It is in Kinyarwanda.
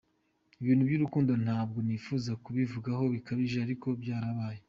Ibintu by’urukundo ntabwo nifuza kubivugaho bikabije ariko byarabaye.